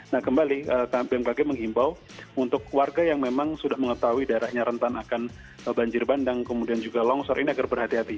nah kembali bmkg menghimbau untuk warga yang memang sudah mengetahui daerahnya rentan akan banjir bandang kemudian juga longsor ini agar berhati hati